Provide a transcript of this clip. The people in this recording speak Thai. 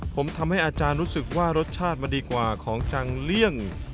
ผมทำให้อาจารย์รู้สึกว่ารสชาติมันดีกว่าของจังเลี่ยง